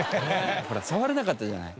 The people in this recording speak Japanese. ほら触れなかったじゃない。